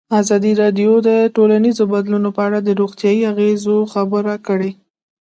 ازادي راډیو د ټولنیز بدلون په اړه د روغتیایي اغېزو خبره کړې.